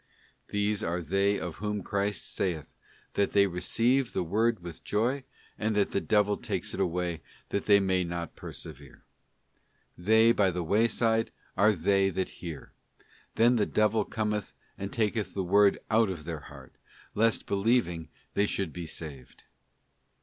These are they of whom Christ saith, that they receive the word with joy, and that the devil takes it away that they may not persevere. 'They by the wayside are they that hear; then the devil cometh and taketh the word out of their heart, lest believing they should be saved.